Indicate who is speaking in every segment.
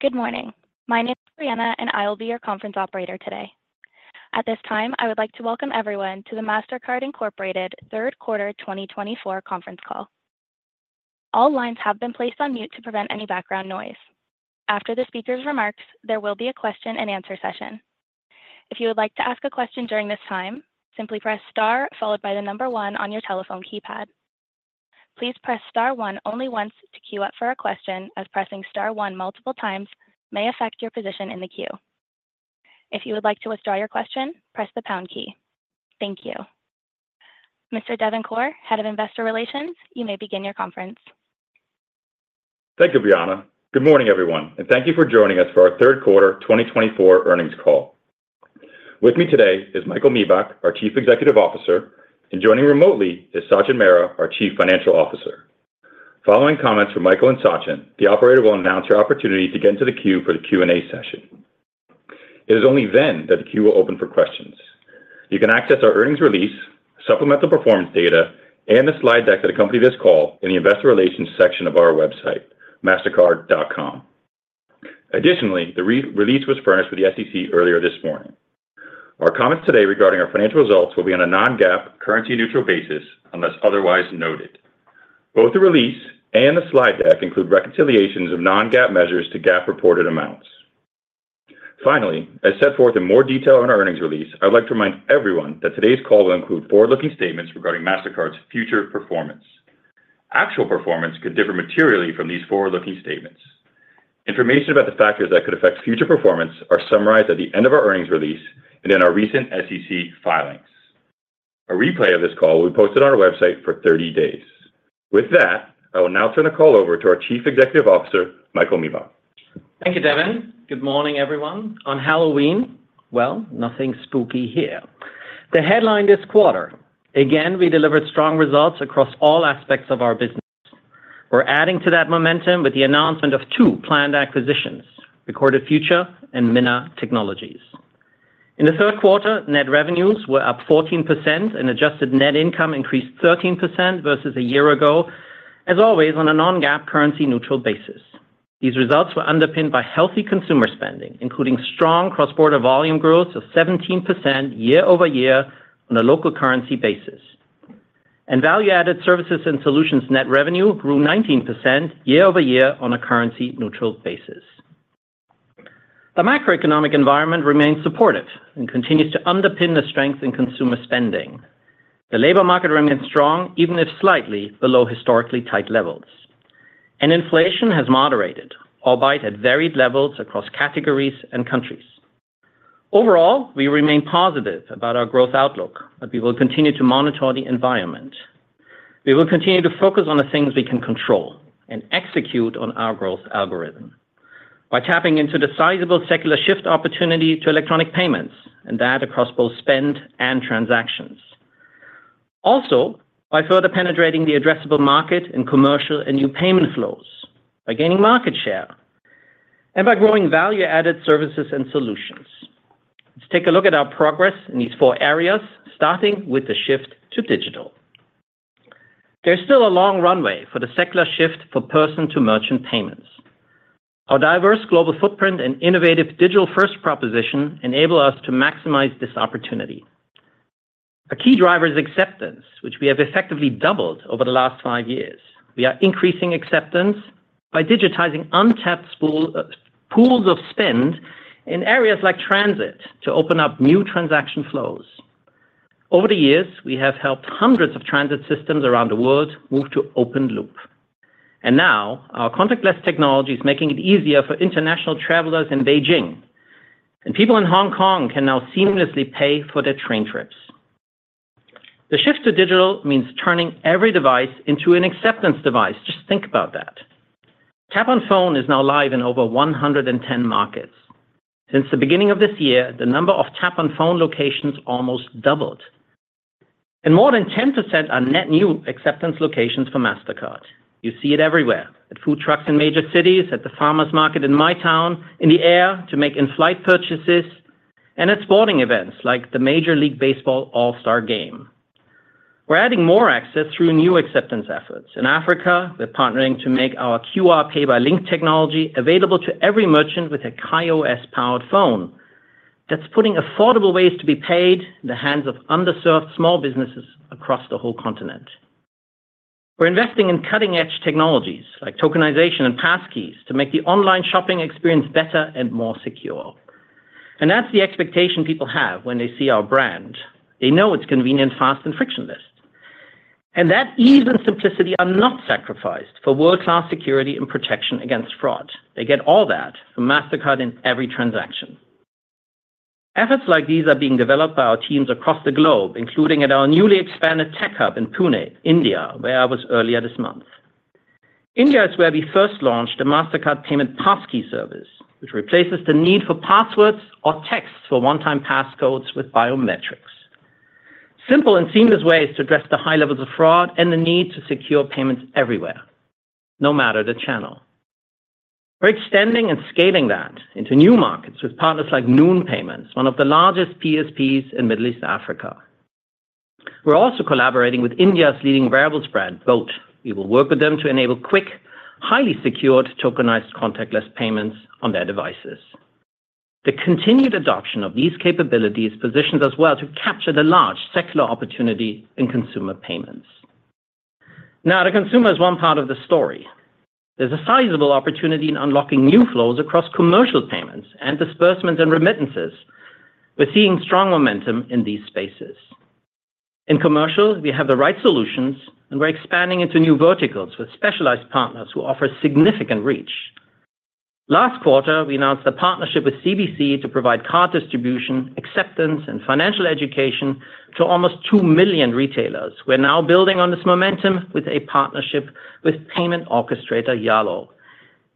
Speaker 1: Good morning. My name is Brianna, and I will be your conference operator today. At this time, I would like to welcome everyone to the Mastercard Incorporated Third Quarter 2024 Conference Call. All lines have been placed on mute to prevent any background noise. After the speaker's remarks, there will be a question-and-answer session. If you would like to ask a question during this time, simply press star followed by the number one on your telephone keypad. Please press star one only once to queue up for a question, as pressing star one multiple times may affect your position in the queue. If you would like to withdraw your question, press the pound key. Thank you. Mr. Devin Corr, Head of Investor Relations, you may begin your conference.
Speaker 2: Thank you, Brianna. Good morning, everyone, and thank you for joining us for our Third Quarter 2024 Earnings Call. With me today is Michael Miebach, our Chief Executive Officer, and joining remotely is Sachin Mehra, our Chief Financial Officer. Following comments from Michael and Sachin, the operator will announce your opportunity to get into the queue for the Q&A session. It is only then that the queue will open for questions. You can access our earnings release, supplemental performance data, and the slide deck that accompanied this call in the Investor Relations section of our website, Mastercard.com. Additionally, the release was furnished with the SEC earlier this morning. Our comments today regarding our financial results will be on a non-GAAP currency-neutral basis unless otherwise noted. Both the release and the slide deck include reconciliations of non-GAAP measures to GAAP-reported amounts. Finally, as set forth in more detail in our earnings release, I would like to remind everyone that today's call will include forward-looking statements regarding Mastercard's future performance. Actual performance could differ materially from these forward-looking statements. Information about the factors that could affect future performance are summarized at the end of our earnings release and in our recent SEC filings. A replay of this call will be posted on our website for 30 days. With that, I will now turn the call over to our Chief Executive Officer, Michael Miebach.
Speaker 3: Thank you, Devin. Good morning, everyone. On Halloween, well, nothing spooky here. The headline this quarter: again, we delivered strong results across all aspects of our business. We're adding to that momentum with the announcement of two planned acquisitions: Recorded Future and Minna Technologies. In the third quarter, net revenues were up 14%, and adjusted net income increased 13% versus a year ago, as always on a non-GAAP currency-neutral basis. These results were underpinned by healthy consumer spending, including strong cross-border volume growth of 17% year-over-year on a local currency basis, and value-added services and solutions net revenue grew 19% year-over-year on a currency-neutral basis. The macroeconomic environment remains supportive and continues to underpin the strength in consumer spending. The labor market remains strong, even if slightly below historically tight levels, and inflation has moderated, albeit at varied levels across categories and countries. Overall, we remain positive about our growth outlook, but we will continue to monitor the environment. We will continue to focus on the things we can control and execute on our growth algorithm by tapping into the sizable secular shift opportunity to electronic payments, and that across both spend and transactions. Also, by further penetrating the addressable market in commercial and new payment flows, by gaining market share, and by growing value-added services and solutions. Let's take a look at our progress in these four areas, starting with the shift to digital. There's still a long runway for the secular shift for person-to-merchant payments. Our diverse global footprint and innovative digital-first proposition enable us to maximize this opportunity. A key driver is acceptance, which we have effectively doubled over the last five years. We are increasing acceptance by digitizing untapped pools of spend in areas like transit to open up new transaction flows. Over the years, we have helped hundreds of transit systems around the world move to open loop. And now, our contactless technology is making it easier for international travelers in Beijing, and people in Hong Kong can now seamlessly pay for their train trips. The shift to digital means turning every device into an acceptance device. Just think about that. Tap on Phone is now live in over 110 markets. Since the beginning of this year, the number of Tap on Phone locations almost doubled. And more than 10% are net new acceptance locations for Mastercard. You see it everywhere: at food trucks in major cities, at the farmers' market in my town, in the air to make in-flight purchases, and at sporting events like the Major League Baseball All-Star Game. We're adding more access through new acceptance efforts. In Africa, we're partnering to make our QR Pay by Link technology available to every merchant with a KaiOS-powered phone. That's putting affordable ways to be paid in the hands of underserved small businesses across the whole continent. We're investing in cutting-edge technologies like tokenization and passkeys to make the online shopping experience better and more secure. And that's the expectation people have when they see our brand. They know it's convenient, fast, and frictionless. And that ease and simplicity are not sacrificed for world-class security and protection against fraud. They get all that from Mastercard in every transaction. Efforts like these are being developed by our teams across the globe, including at our newly expanded tech hub in Pune, India, where I was earlier this month. India is where we first launched a Mastercard Payment Passkey Service, which replaces the need for passwords or texts for one-time passcodes with biometrics. Simple and seamless ways to address the high levels of fraud and the need to secure payments everywhere, no matter the channel. We're extending and scaling that into new markets with partners like Noon Payments, one of the largest PSPs in Middle East Africa. We're also collaborating with India's leading wearables brand, boAt. We will work with them to enable quick, highly secured, tokenized contactless payments on their devices. The continued adoption of these capabilities positions us well to capture the large secular opportunity in consumer payments. Now, the consumer is one part of the story. There's a sizable opportunity in unlocking new flows across commercial payments and disbursements and remittances. We're seeing strong momentum in these spaces. In commercial, we have the right solutions, and we're expanding into new verticals with specialized partners who offer significant reach. Last quarter, we announced a partnership with CBC to provide card distribution, acceptance, and financial education to almost 2 million retailers. We're now building on this momentum with a partnership with payment orchestrator Yalo.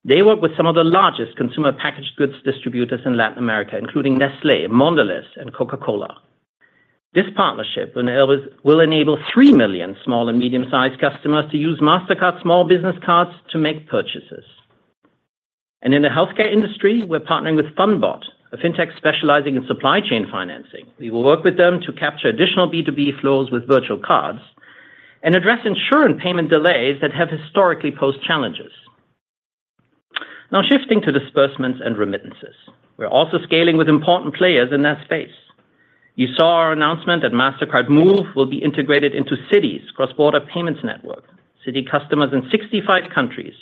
Speaker 3: They work with some of the largest consumer packaged goods distributors in Latin America, including Nestlé, Mondelez, and Coca-Cola. This partnership will enable 3 million small and medium-sized customers to use Mastercard small business cards to make purchases. And in the healthcare industry, we're partnering with Fundbot, a fintech specializing in supply chain financing. We will work with them to capture additional B2B flows with virtual cards and address insurance payment delays that have historically posed challenges. Now, shifting to disbursements and remittances, we're also scaling with important players in that space. You saw our announcement that Mastercard Move will be integrated into Citi's cross-border payments network. Citi customers in 65 countries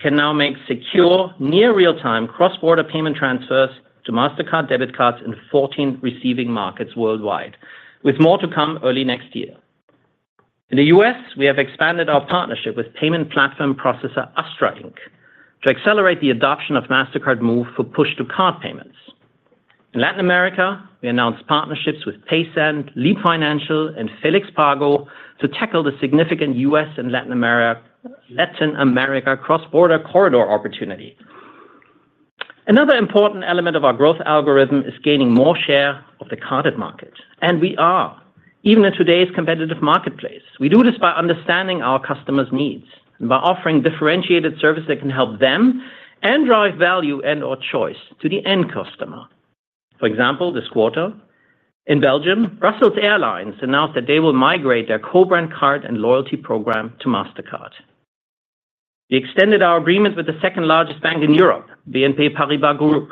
Speaker 3: can now make secure, near-real-time cross-border payment transfers to Mastercard debit cards in 14 receiving markets worldwide, with more to come early next year. In the U.S., we have expanded our partnership with payment platform processor Astra Inc. to accelerate the adoption of Mastercard Move for push-to-card payments. In Latin America, we announced partnerships with Paysend, Leap Financial, and Felix Pago to tackle the significant U.S. and Latin America cross-border corridor opportunity. Another important element of our growth algorithm is gaining more share of the carded market, and we are, even in today's competitive marketplace. We do this by understanding our customers' needs and by offering differentiated services that can help them and drive value and/or choice to the end customer. For example, this quarter, in Belgium, Brussels Airlines announced that they will migrate their co-brand card and loyalty program to Mastercard. We extended our agreement with the second-largest bank in Europe, BNP Paribas Group.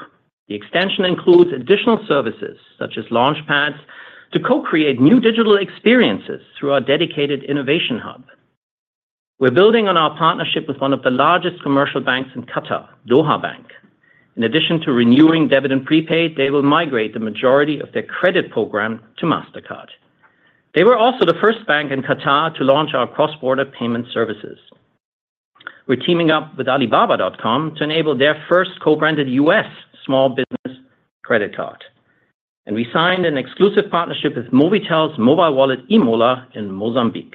Speaker 3: The extension includes additional services such as launchpads to co-create new digital experiences through our dedicated innovation hub. We're building on our partnership with one of the largest commercial banks in Qatar, Doha Bank. In addition to renewing debit and prepaid, they will migrate the majority of their credit program to Mastercard. They were also the first bank in Qatar to launch our cross-border payment services. We're teaming up with Alibaba.com to enable their first co-branded US small business credit card. And we signed an exclusive partnership with Movitel's mobile wallet eMola in Mozambique.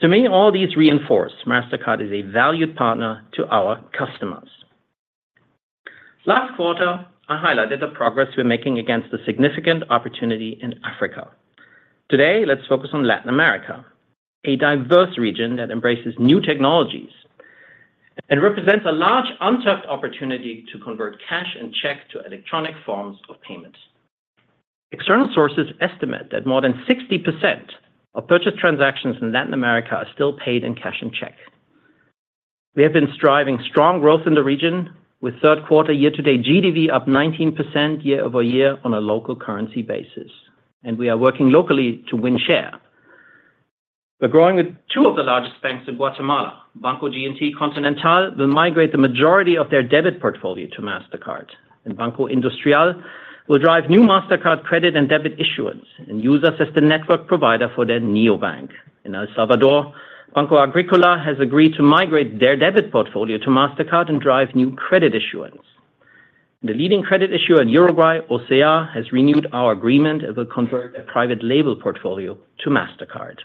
Speaker 3: To me, all these reinforce Mastercard is a valued partner to our customers. Last quarter, I highlighted the progress we're making against a significant opportunity in Africa. Today, let's focus on Latin America, a diverse region that embraces new technologies and represents a large untapped opportunity to convert cash and check to electronic forms of payment. External sources estimate that more than 60% of purchase transactions in Latin America are still paid in cash and check. We have been striving for strong growth in the region, with third quarter year-to-date GDV up 19% year-over-year on a local currency basis, and we are working locally to win share. We're growing with two of the largest banks in Guatemala. Banco G&T Continental will migrate the majority of their debit portfolio to Mastercard, and Banco Industrial will drive new Mastercard credit and debit issuance and use us as the network provider for their neobank. In El Salvador, Banco Agrícola has agreed to migrate their debit portfolio to Mastercard and drive new credit issuance. The leading credit issuer in Uruguay, OCA, has renewed our agreement and will convert a private label portfolio to Mastercard.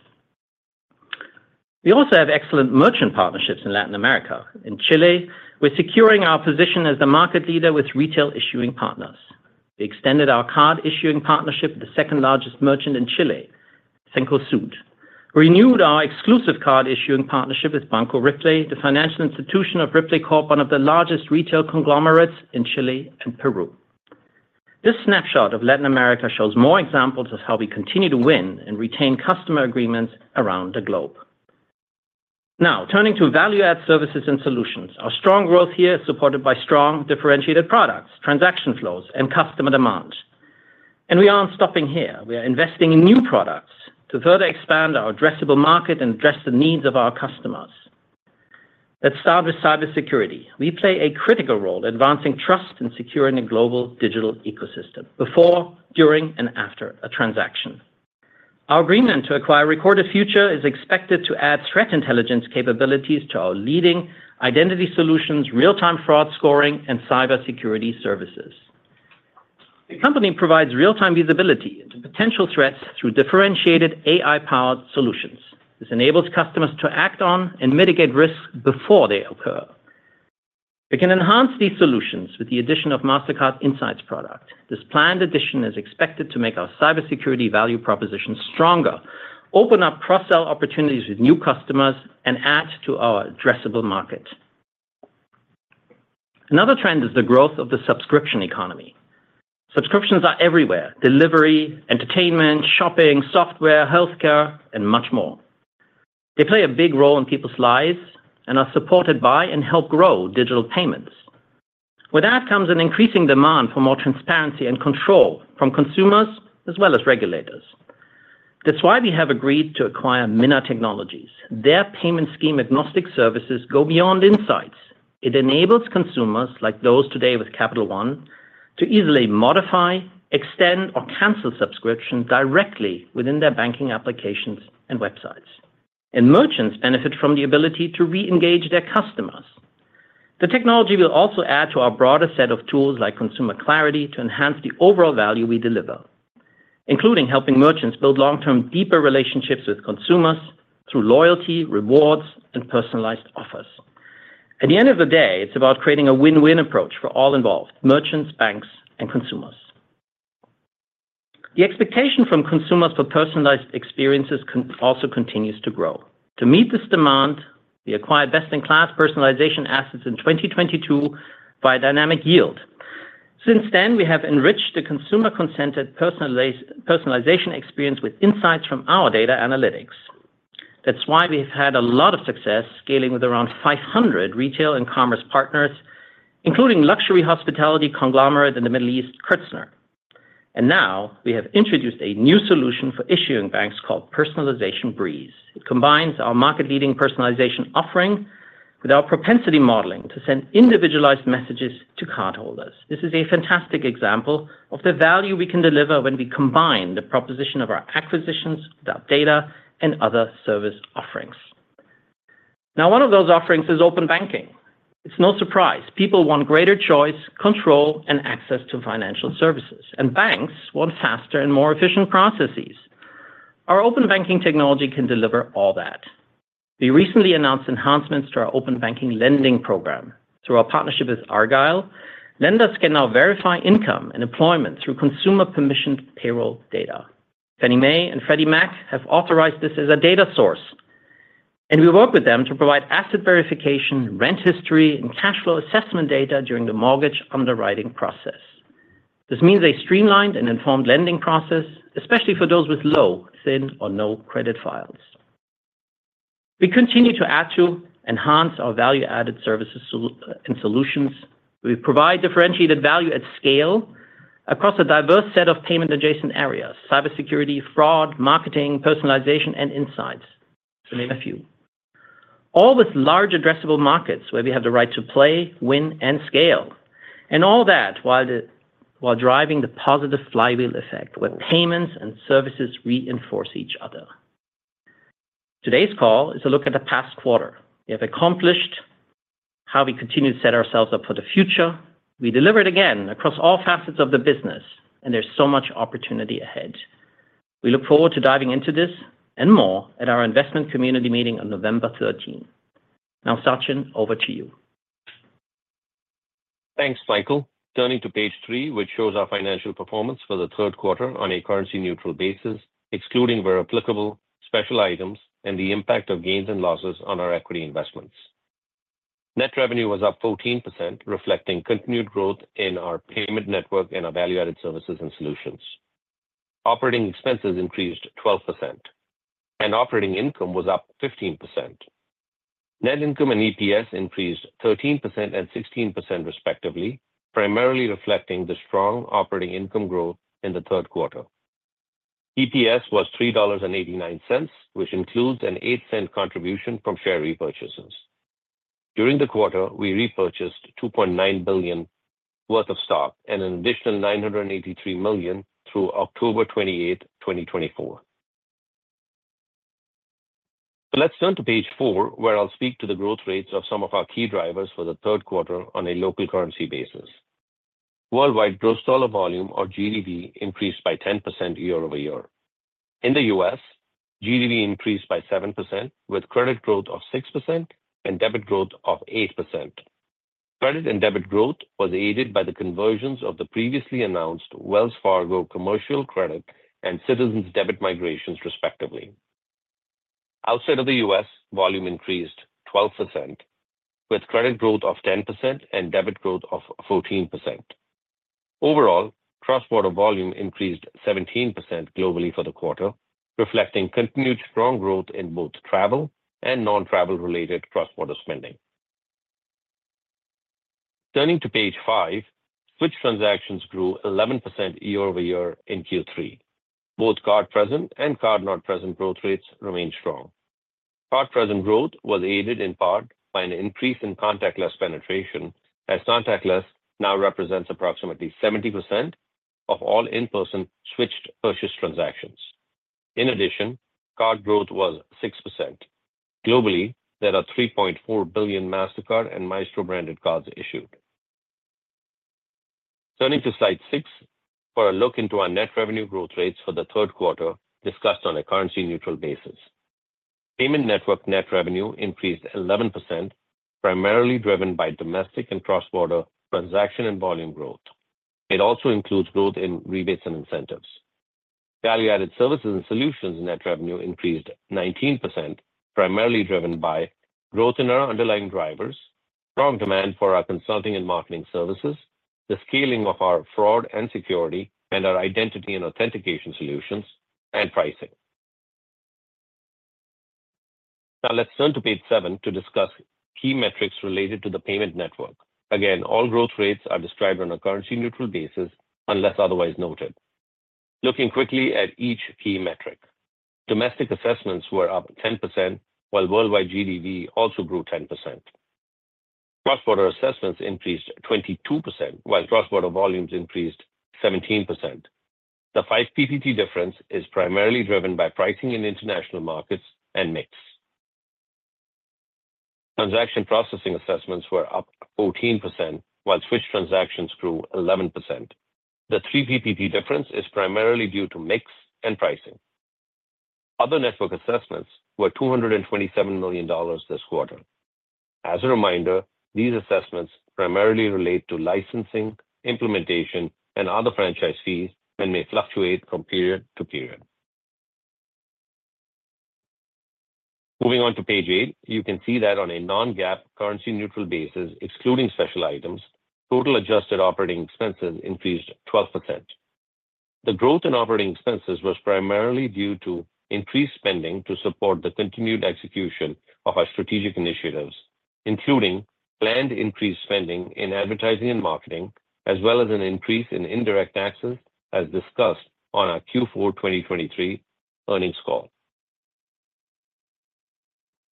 Speaker 3: We also have excellent merchant partnerships in Latin America. In Chile, we're securing our position as the market leader with retail issuing partners. We extended our card issuing partnership with the second-largest merchant in Chile, Cencosud. We renewed our exclusive card issuing partnership with Banco Ripley, the financial institution of Ripley Corp, one of the largest retail conglomerates in Chile and Peru. This snapshot of Latin America shows more examples of how we continue to win and retain customer agreements around the globe. Now, turning to value-added services and solutions, our strong growth here is supported by strong differentiated products, transaction flows, and customer demand. And we aren't stopping here. We are investing in new products to further expand our addressable market and address the needs of our customers. Let's start with cybersecurity. We play a critical role in advancing trust and securing a global digital ecosystem before, during, and after a transaction. Our agreement to acquire Recorded Future is expected to add threat intelligence capabilities to our leading identity solutions, real-time fraud scoring, and cybersecurity services. The company provides real-time visibility into potential threats through differentiated AI-powered solutions. This enables customers to act on and mitigate risks before they occur. We can enhance these solutions with the addition of Mastercard Insights product. This planned addition is expected to make our cybersecurity value proposition stronger, open up cross-sell opportunities with new customers, and add to our addressable market. Another trend is the growth of the subscription economy. Subscriptions are everywhere: delivery, entertainment, shopping, software, healthcare, and much more. They play a big role in people's lives and are supported by and help grow digital payments. With that comes an increasing demand for more transparency and control from consumers as well as regulators. That's why we have agreed to acquire Minna Technologies. Their payment scheme-agnostic services go beyond insights. It enables consumers like those today with Capital One to easily modify, extend, or cancel subscriptions directly within their banking applications and websites, and merchants benefit from the ability to re-engage their customers. The technology will also add to our broader set of tools like Consumer Clarity to enhance the overall value we deliver, including helping merchants build long-term deeper relationships with consumers through loyalty, rewards, and personalized offers. At the end of the day, it's about creating a win-win approach for all involved: merchants, banks, and consumers. The expectation from consumers for personalized experiences also continues to grow. To meet this demand, we acquired best-in-class personalization assets in 2022 via Dynamic Yield. Since then, we have enriched the consumer-consented personalization experience with insights from our data analytics. That's why we've had a lot of success scaling with around 500 retail and commerce partners, including luxury hospitality conglomerate in the Middle East, Kerzner International. And now, we have introduced a new solution for issuing banks called Personalization Breeze. It combines our market-leading personalization offering with our propensity modeling to send individualized messages to cardholders. This is a fantastic example of the value we can deliver when we combine the proposition of our acquisitions without data and other service offerings. Now, one of those offerings is open banking. It's no surprise. People want greater choice, control, and access to financial services. And banks want faster and more efficient processes. Our open banking technology can deliver all that. We recently announced enhancements to our open banking lending program. Through our partnership with Argyle, lenders can now verify income and employment through consumer-permissioned payroll data. Fannie Mae and Freddie Mac have authorized this as a data source. And we work with them to provide asset verification, rent history, and cash flow assessment data during the mortgage underwriting process. This means a streamlined and informed lending process, especially for those with low, thin, or no credit files. We continue to add to enhance our value-added services and solutions. We provide differentiated value at scale across a diverse set of payment-adjacent areas: cybersecurity, fraud, marketing, personalization, and insights, to name a few. All with large addressable markets where we have the right to play, win, and scale. And all that while driving the positive flywheel effect where payments and services reinforce each other. Today's call is a look at the past quarter. We have accomplished how we continue to set ourselves up for the future. We deliver it again across all facets of the business, and there's so much opportunity ahead. We look forward to diving into this and more at our investment community meeting on November 13. Now, Sachin, over to you.
Speaker 4: Thanks, Michael. Turning to page three, which shows our financial performance for the third quarter on a currency-neutral basis, excluding where applicable, special items, and the impact of gains and losses on our equity investments. Net revenue was up 14%, reflecting continued growth in our payment network and our value-added services and solutions. Operating expenses increased 12%, and operating income was up 15%. Net income and EPS increased 13% and 16%, respectively, primarily reflecting the strong operating income growth in the third quarter. EPS was $3.89, which includes a $0.08 contribution from share repurchases. During the quarter, we repurchased $2.9 billion worth of stock and an additional $983 million through October 28, 2024. Let's turn to page four, where I'll speak to the growth rates of some of our key drivers for the third quarter on a local currency basis. Worldwide, gross dollar volume, or GDV, increased by 10% year-over-year. In the U.S., GDV increased by 7%, with credit growth of 6% and debit growth of 8%. Credit and debit growth was aided by the conversions of the previously announced Wells Fargo commercial credit and Citizens debit migrations, respectively. Outside of the U.S., volume increased 12%, with credit growth of 10% and debit growth of 14%. Overall, cross-border volume increased 17% globally for the quarter, reflecting continued strong growth in both travel and non-travel-related cross-border spending. Turning to page five, switch transactions grew 11% year-over-year in Q3. Both card-present and card-not-present growth rates remained strong. Card-present growth was aided in part by an increase in contactless penetration, as contactless now represents approximately 70% of all in-person switched purchase transactions. In addition, card growth was 6%. Globally, there are 3.4 billion Mastercard and Maestro branded cards issued. Turning to slide six for a look into our net revenue growth rates for the third quarter, discussed on a currency-neutral basis. Payment network net revenue increased 11%, primarily driven by domestic and cross-border transaction and volume growth. It also includes growth in rebates and incentives. Value-added services and solutions net revenue increased 19%, primarily driven by growth in our underlying drivers, strong demand for our consulting and marketing services, the scaling of our fraud and security, and our identity and authentication solutions and pricing. Now, let's turn to page seven to discuss key metrics related to the payment network. Again, all growth rates are described on a currency-neutral basis unless otherwise noted. Looking quickly at each key metric, domestic assessments were up 10%, while worldwide GDV also grew 10%. Cross-border assessments increased 22%, while cross-border volumes increased 17%. The 5 percentage point difference is primarily driven by pricing in international markets and mix. Transaction processing assessments were up 14%, while switch transactions grew 11%. The 3 percentage point difference is primarily due to mix and pricing. Other network assessments were $227 million this quarter. As a reminder, these assessments primarily relate to licensing, implementation, and other franchise fees and may fluctuate from period to period. Moving on to page eight, you can see that on a non-GAAP currency-neutral basis, excluding special items, total adjusted operating expenses increased 12%. The growth in operating expenses was primarily due to increased spending to support the continued execution of our strategic initiatives, including planned increased spending in advertising and marketing, as well as an increase in indirect taxes, as discussed on our Q4 2023 earnings call.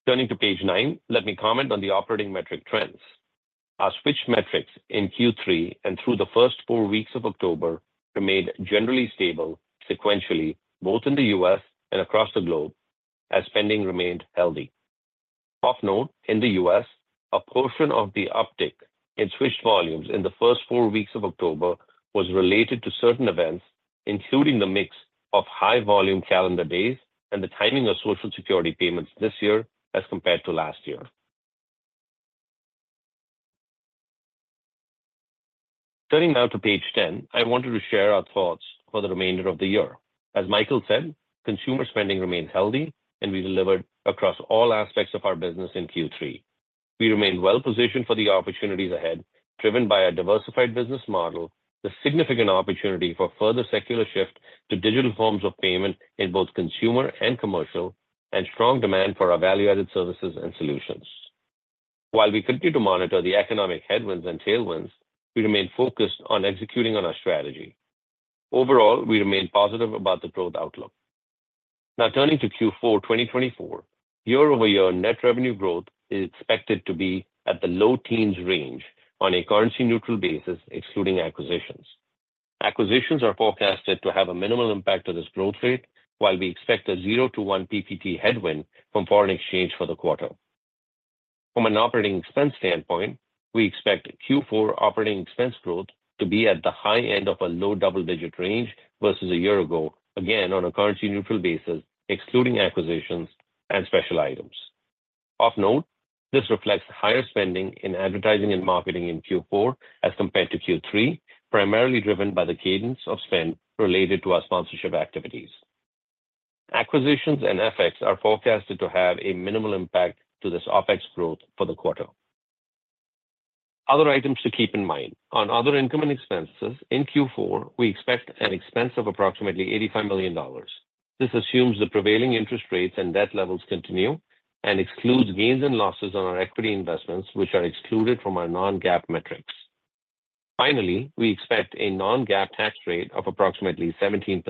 Speaker 4: Turning to page nine, let me comment on the operating metric trends. Our switch metrics in Q3 and through the first four weeks of October remained generally stable sequentially, both in the U.S. and across the globe, as spending remained healthy. Of note, in the U.S., a portion of the uptick in switched volumes in the first four weeks of October was related to certain events, including the mix of high-volume calendar days and the timing of Social Security payments this year as compared to last year. Turning now to page 10, I wanted to share our thoughts for the remainder of the year. As Michael said, consumer spending remained healthy, and we delivered across all aspects of our business in Q3. We remained well-positioned for the opportunities ahead, driven by our diversified business model, the significant opportunity for further secular shift to digital forms of payment in both consumer and commercial, and strong demand for our value-added services and solutions. While we continue to monitor the economic headwinds and tailwinds, we remain focused on executing on our strategy. Overall, we remain positive about the growth outlook. Now, turning to Q4 2024, year-over-year net revenue growth is expected to be at the low teens range on a currency-neutral basis, excluding acquisitions. Acquisitions are forecasted to have a minimal impact on this growth rate, while we expect a 0 to 1 ppt headwind from foreign exchange for the quarter. From an operating expense standpoint, we expect Q4 operating expense growth to be at the high end of a low double-digit range versus a year ago, again on a currency-neutral basis, excluding acquisitions and special items. Of note, this reflects higher spending in advertising and marketing in Q4 as compared to Q3, primarily driven by the cadence of spend related to our sponsorship activities. Acquisitions and FX are forecasted to have a minimal impact on this OpEx growth for the quarter. Other items to keep in mind. On other income and expenses, in Q4, we expect an expense of approximately $85 million. This assumes the prevailing interest rates and debt levels continue and excludes gains and losses on our equity investments, which are excluded from our non-GAAP metrics. Finally, we expect a non-GAAP tax rate of approximately 17%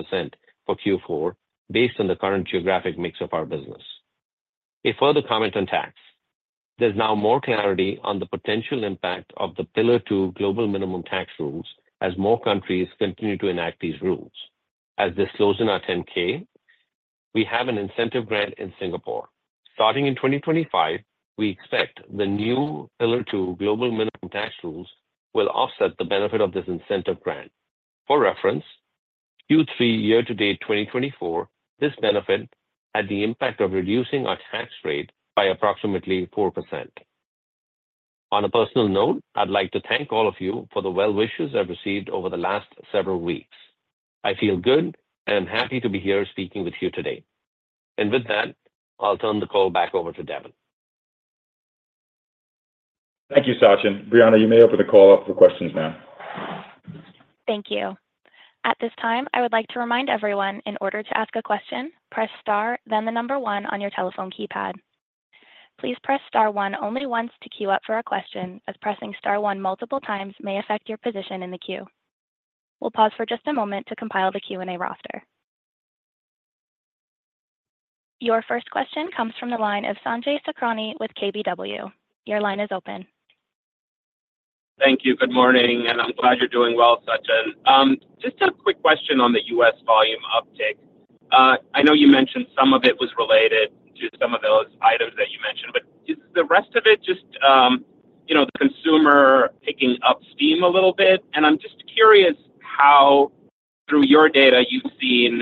Speaker 4: for Q4, based on the current geographic mix of our business. A further comment on tax. There's now more clarity on the potential impact of the Pillar Two global minimum tax rules as more countries continue to enact these rules. As this shows in our 10-K, we have an incentive grant in Singapore. Starting in 2025, we expect the new Pillar Two global minimum tax rules will offset the benefit of this incentive grant. For reference, Q3 year-to-date 2024, this benefit had the impact of reducing our tax rate by approximately 4%. On a personal note, I'd like to thank all of you for the well-wishes I've received over the last several weeks. I feel good and happy to be here speaking with you today. And with that, I'll turn the call back over to Devin.
Speaker 2: Thank you, Sachin. Brianna, you may open the call up for questions now. Thank you.
Speaker 1: At this time, I would like to remind everyone, in order to ask a question, press star, then the number one on your telephone keypad. Please press star one only once to queue up for a question, as pressing star one multiple times may affect your position in the queue. We'll pause for just a moment to compile the Q&A roster. Your first question comes from the line of Sanjay Sakhrani with KBW. Your line is open.
Speaker 5: Thank you. Good morning, and I'm glad you're doing well, Sachin. Just a quick question on the US volume uptick. I know you mentioned some of it was related to some of those items that you mentioned, but is the rest of it just the consumer picking up steam a little bit? And I'm just curious how, through your data, you've seen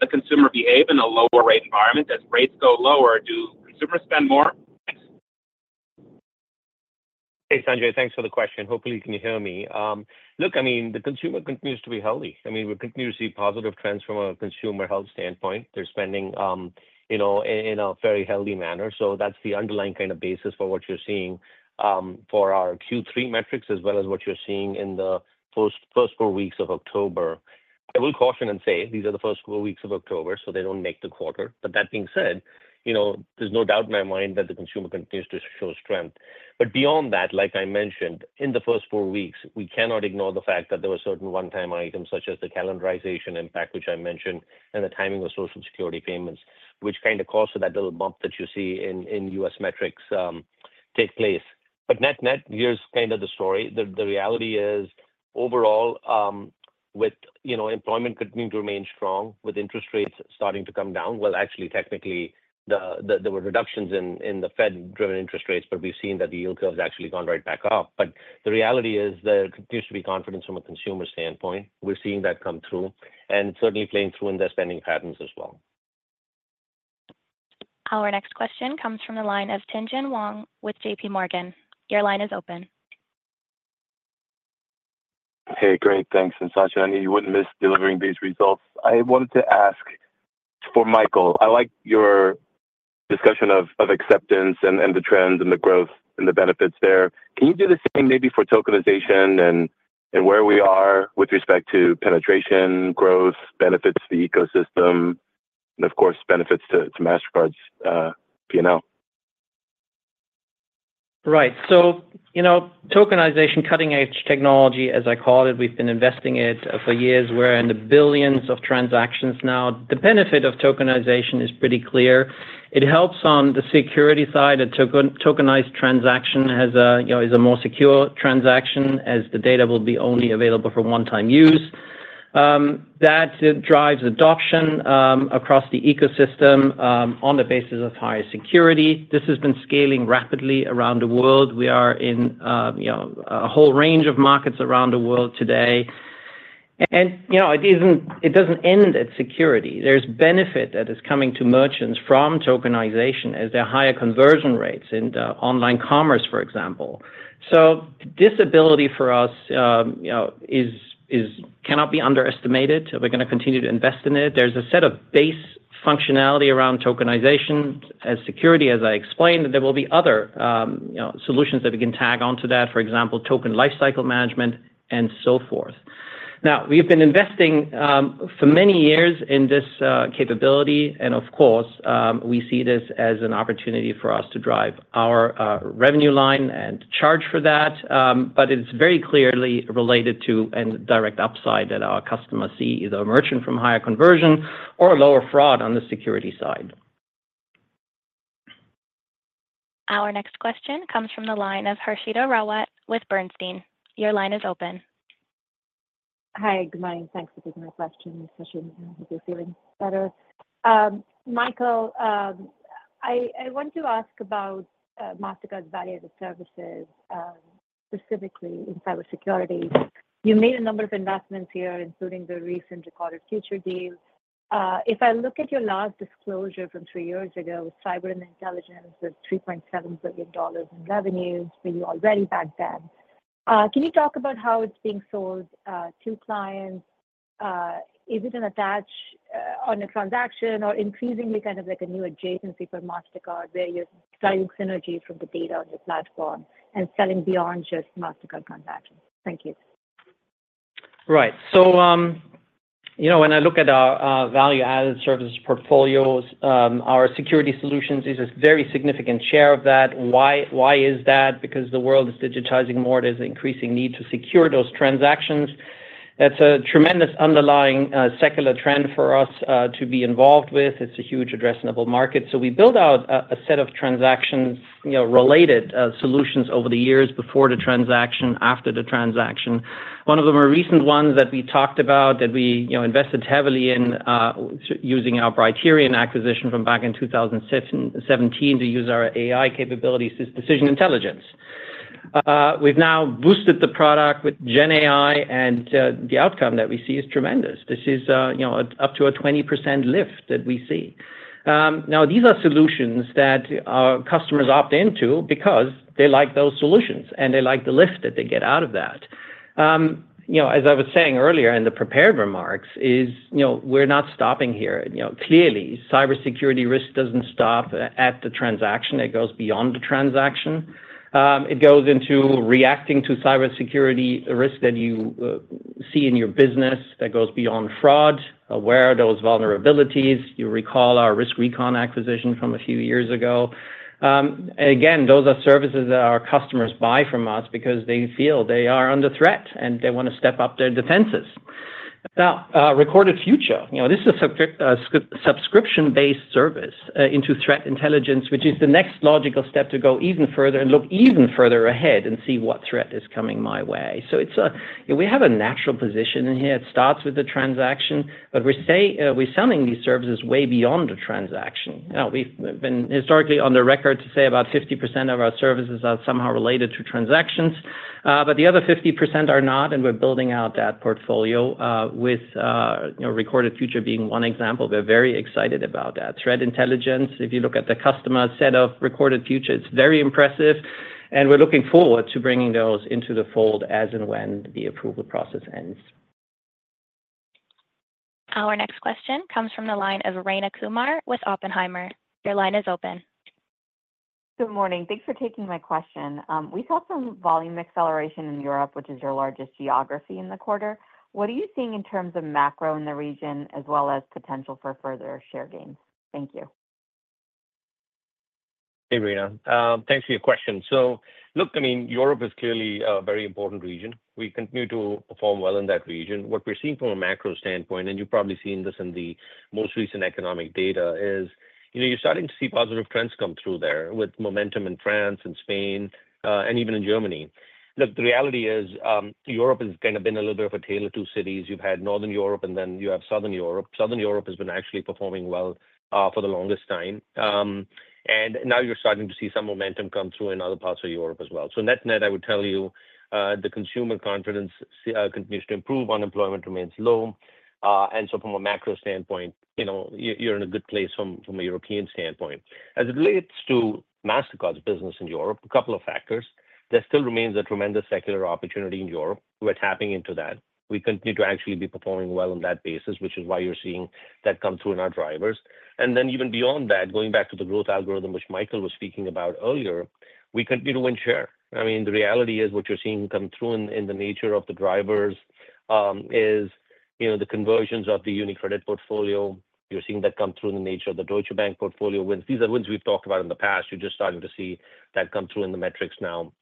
Speaker 5: the consumer behave in a lower-rate environment, as rates go lower, do consumers spend more?
Speaker 4: Hey, Sanjay, thanks for the question. Hopefully, you can hear me. Look, I mean, the consumer continues to be healthy. I mean, we continue to see positive trends from a consumer health standpoint. They're spending in a very healthy manner. So that's the underlying kind of basis for what you're seeing for our Q3 metrics, as well as what you're seeing in the first four weeks of October. I will caution and say these are the first four weeks of October, so they don't make the quarter. But that being said, there's no doubt in my mind that the consumer continues to show strength. But beyond that, like I mentioned, in the first four weeks, we cannot ignore the fact that there were certain one-time items, such as the calendarization impact, which I mentioned, and the timing of Social Security payments, which kind of caused that little bump that you see in US metrics take place. But net, net, here's kind of the story. The reality is, overall, with employment continuing to remain strong, with interest rates starting to come down, well, actually, technically, there were reductions in the Fed-driven interest rates, but we've seen that the yield curve has actually gone right back up. But the reality is there continues to be confidence from a consumer standpoint. We're seeing that come through, and it's certainly playing through in their spending patterns as well.
Speaker 1: Our next question comes from the line of Tien-Tsin Huang with JPMorgan. Your line is open. Hey, great. Thanks.
Speaker 6: Sachin, I knew you wouldn't miss delivering these results. I wanted to ask for Michael. I like your discussion of acceptance and the trends and the growth and the benefits there. Can you do the same maybe for tokenization and where we are with respect to penetration, growth, benefits to the ecosystem, and, of course, benefits to Mastercard's P&L?
Speaker 3: Right. So tokenization, cutting-edge technology, as I call it. We've been investing in it for years. We're in the billions of transactions now. The benefit of tokenization is pretty clear. It helps on the security side. A tokenized transaction is a more secure transaction, as the data will be only available for one-time use. That drives adoption across the ecosystem on the basis of higher security. This has been scaling rapidly around the world. We are in a whole range of markets around the world today. It doesn't end at security. There's benefit that is coming to merchants from tokenization, as there are higher conversion rates in online commerce, for example. So this ability for us cannot be underestimated. We're going to continue to invest in it. There's a set of base functionality around tokenization and security, as I explained. There will be other solutions that we can tag onto that, for example, token lifecycle management and so forth. Now, we've been investing for many years in this capability. And, of course, we see this as an opportunity for us to drive our revenue line and charge for that. But it's very clearly related to and direct upside that our customers see, either a merchant from higher conversion or lower fraud on the security side.
Speaker 1: Our next question comes from the line of Harshita Rawat with Bernstein. Your line is open.
Speaker 7: Hi, good morning. Thanks for taking my question, Sachin. I hope you're feeling better. Michael, I want to ask about Mastercard's value-added services, specifically in cybersecurity. You made a number of investments here, including the recent Recorded Future deal. If I look at your last disclosure from three years ago, cyber and intelligence was $3.7 billion in revenues for you already back then. Can you talk about how it's being sold to clients? Is it an attach on a transaction or increasingly kind of like a new adjacency for Mastercard, where you're driving synergy from the data on your platform and selling beyond just Mastercard transactions? Thank you.
Speaker 3: Right. So when I look at our value-added services portfolios, our security solutions is a very significant share of that. Why is that? Because the world is digitizing more. There's an increasing need to secure those transactions. That's a tremendous underlying secular trend for us to be involved with. It's a huge addressable market. So we build out a set of transactions-related solutions over the years before the transaction, after the transaction. One of the more recent ones that we talked about that we invested heavily in using our Brighterion acquisition from back in 2017 to use our AI capabilities, Decision Intelligence. We've now boosted the product with GenAI, and the outcome that we see is tremendous. This is up to a 20% lift that we see. Now, these are solutions that our customers opt into because they like those solutions, and they like the lift that they get out of that. As I was saying earlier in the prepared remarks, we're not stopping here. Clearly, cybersecurity risk doesn't stop at the transaction. It goes beyond the transaction. It goes into reacting to cybersecurity risk that you see in your business that goes beyond fraud. Where are those vulnerabilities? You recall our RiskRecon acquisition from a few years ago. Again, those are services that our customers buy from us because they feel they are under threat, and they want to step up their defenses. Now, Recorded Future. This is a subscription-based service into threat intelligence, which is the next logical step to go even further and look even further ahead and see what threat is coming my way. So we have a natural position in here. It starts with the transaction, but we're selling these services way beyond the transaction. We've been historically on the record to say about 50% of our services are somehow related to transactions, but the other 50% are not, and we're building out that portfolio with Recorded Future being one example. We're very excited about that. Threat intelligence, if you look at the customer set of Recorded Future, it's very impressive, and we're looking forward to bringing those into the fold as and when the approval process ends.
Speaker 1: Our next question comes from the line of Rayna Kumar with Oppenheimer. Your line is open.
Speaker 8: Good morning. Thanks for taking my question. We saw some volume acceleration in Europe, which is your largest geography in the quarter. What are you seeing in terms of macro in the region, as well as potential for further share gains? Thank you.
Speaker 4: Hey, Rayna. Thanks for your question. So look, I mean, Europe is clearly a very important region. We continue to perform well in that region. What we're seeing from a macro standpoint, and you've probably seen this in the most recent economic data, is you're starting to see positive trends come through there with momentum in France and Spain and even in Germany. Look, the reality is Europe has kind of been a little bit of a tale of two cities. You've had Northern Europe, and then you have Southern Europe. Southern Europe has been actually performing well for the longest time, and now you're starting to see some momentum come through in other parts of Europe as well. So net, net, I would tell you the consumer confidence continues to improve. Unemployment remains low. And so from a macro standpoint, you're in a good place from a European standpoint. As it relates to Mastercard's business in Europe, a couple of factors. There still remains a tremendous secular opportunity in Europe. We're tapping into that. We continue to actually be performing well on that basis, which is why you're seeing that come through in our drivers. And then even beyond that, going back to the growth algorithm, which Michael was speaking about earlier, we continue to win share. I mean, the reality is what you're seeing come through in the nature of the drivers is the conversions of the unit credit portfolio. You're seeing that come through in the nature of the Deutsche Bank portfolio. These are wins we've talked about in the past. You're just starting to see that come through in the metrics now.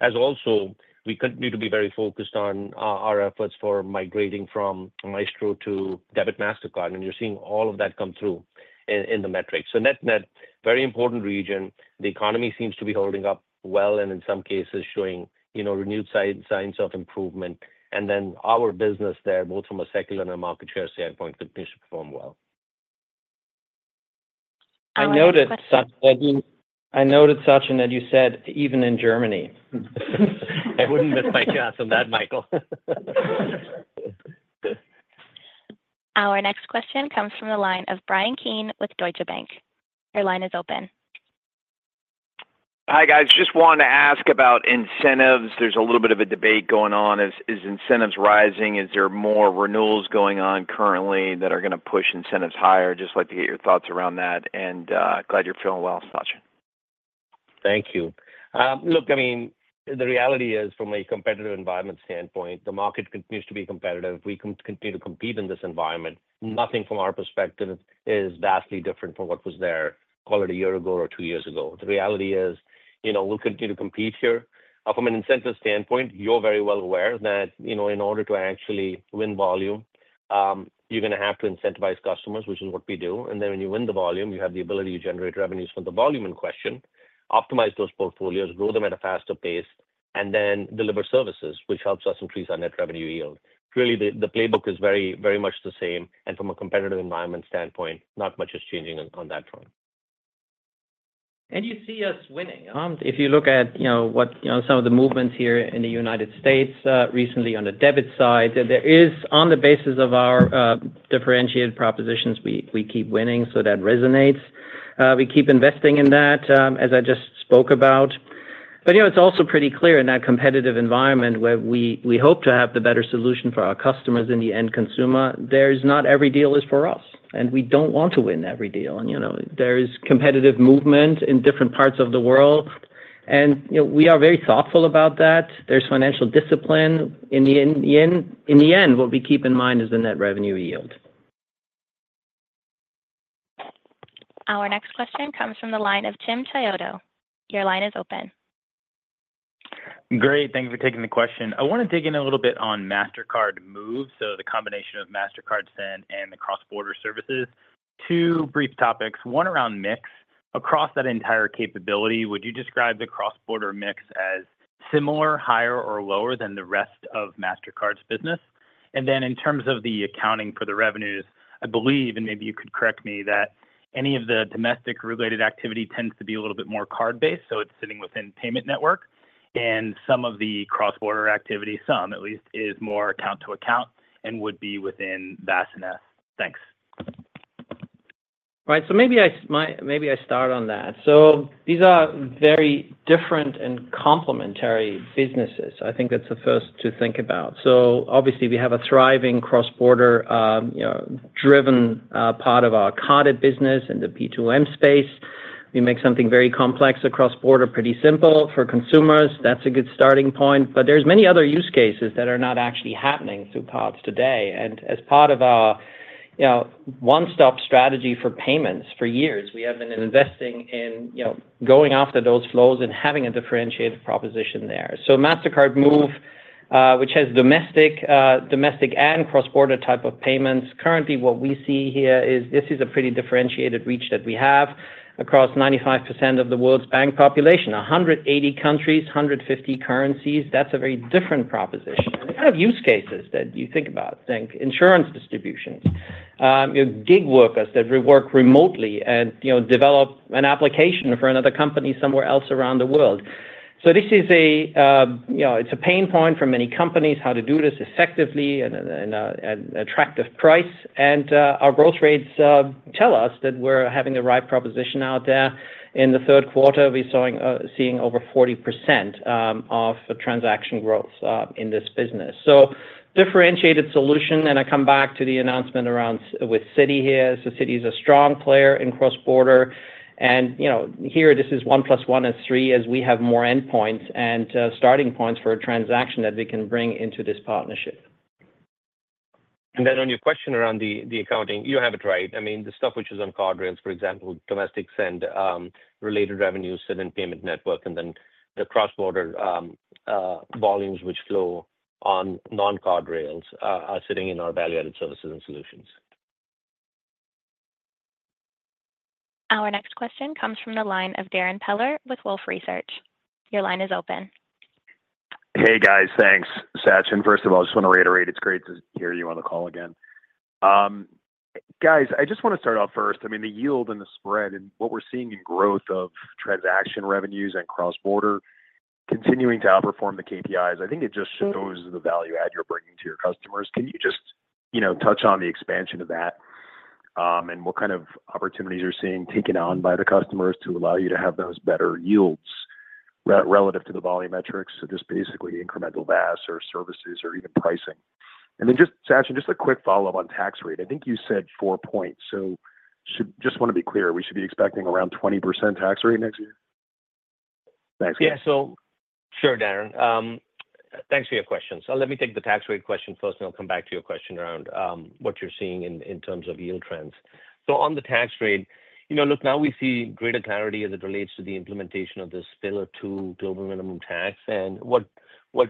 Speaker 4: As also, we continue to be very focused on our efforts for migrating from Maestro to Debit Mastercard, and you're seeing all of that come through in the metrics. So net, net, very important region. The economy seems to be holding up well and, in some cases, showing renewed signs of improvement, and then our business there, both from a secular and a market share standpoint, continues to perform well.
Speaker 3: I noted, Sachin, that you said, "Even in Germany."
Speaker 4: I wouldn't miss my chance on that, Michael.
Speaker 1: Our next question comes from the line of Bryan Keane with Deutsche Bank. Your line is open.
Speaker 9: Hi, guys. Just wanted to ask about incentives. There's a little bit of a debate going on. Is incentives rising? Is there more renewals going on currently that are going to push incentives higher? Just like to get your thoughts around that, and glad you're feeling well, Sachin.
Speaker 4: Thank you. Look, I mean, the reality is, from a competitive environment standpoint, the market continues to be competitive. We continue to compete in this environment. Nothing from our perspective is vastly different from what was there, call it a year ago or two years ago. The reality is we'll continue to compete here. From an incentive standpoint, you're very well aware that in order to actually win volume, you're going to have to incentivize customers, which is what we do. And then when you win the volume, you have the ability to generate revenues from the volume in question, optimize those portfolios, grow them at a faster pace, and then deliver services, which helps us increase our net revenue yield. Clearly, the playbook is very much the same. And from a competitive environment standpoint, not much is changing on that front.
Speaker 3: And you see us winning. If you look at some of the movements here in the United States recently on the debit side, there is, on the basis of our differentiated propositions, we keep winning, so that resonates. We keep investing in that, as I just spoke about, but it's also pretty clear in that competitive environment where we hope to have the better solution for our customers in the end consumer, there's not every deal is for us, and we don't want to win every deal, and there is competitive movement in different parts of the world, and we are very thoughtful about that. There's financial discipline. In the end, what we keep in mind is the net revenue yield.
Speaker 1: Our next question comes from the line of Timothy Chiodo. Your line is open.
Speaker 10: Great. Thank you for taking the question. I want to dig in a little bit on Mastercard Move, so the combination of Mastercard Send and the cross-border services. Two brief topics. One around mix. Across that entire capability, would you describe the cross-border mix as similar, higher, or lower than the rest of Mastercard's business? And then in terms of the accounting for the revenues, I believe, and maybe you could correct me, that any of the domestic-related activity tends to be a little bit more card-based, so it's sitting within payment network. And some of the cross-border activity, some, at least, is more account-to-account and would be within VAS. Thanks.
Speaker 3: Right. So maybe I start on that. So these are very different and complementary businesses. I think that's the first to think about. So obviously, we have a thriving cross-border-driven part of our carded business in the P2M space. We make something very complex cross-border pretty simple for consumers. That's a good starting point. But there's many other use cases that are not actually happening through cards today. And as part of our one-stop strategy for payments for years, we have been investing in going after those flows and having a differentiated proposition there. So Mastercard Move, which has domestic and cross-border type of payments. Currently what we see here is this is a pretty differentiated reach that we have across 95% of the world's bank population, 180 countries, 150 currencies. That's a very different proposition. What kind of use cases that you think about? Think insurance distributions, gig workers that work remotely and develop an application for another company somewhere else around the world. So this is a pain point for many companies, how to do this effectively at an attractive price. And our growth rates tell us that we're having the right proposition out there. In the third quarter, we're seeing over 40% of transaction growth in this business. So differentiated solution, and I come back to the announcement around with Citi here. So Citi is a strong player in cross-border. And here, this is one plus one is three, as we have more endpoints and starting points for a transaction that we can bring into this partnership.
Speaker 4: And then on your question around the accounting, you have it right. I mean, the stuff which is on card rails, for example, domestic Send related revenue, Send and payment network, and then the cross-border volumes which flow on non-card rails are sitting in our value-added services and solutions.
Speaker 1: Our next question comes from the line of Darrin Peller with Wolfe Research. Your line is open.
Speaker 11: Hey, guys. Thanks Sachin, first of all, I just want to reiterate, it's great to hear you on the call again. Guys, I just want to start off first. I mean, the yield and the spread and what we're seeing in growth of transaction revenues and cross-border continuing to outperform the KPIs, I think it just shows the value-add you're bringing to your customers. Can you just touch on the expansion of that and what kind of opportunities you're seeing taken on by the customers to allow you to have those better yields relative to the volume metrics? So just basically incremental VAS or services or even pricing. And then just, Sachin, just a quick follow-up on tax rate. I think you said four points. So just want to be clear, we should be expecting around 20% tax rate next year?
Speaker 4: Thanks. Yeah. So sure, Darrin. Thanks for your questions. So let me take the tax rate question first, and I'll come back to your question around what you're seeing in terms of yield trends. So on the tax rate, look, now we see greater clarity as it relates to the implementation of this Pillar Two global minimum tax. And what